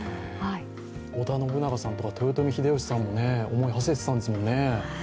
織田信長さんとか豊臣秀吉さんも思いを馳せていたんですもんね。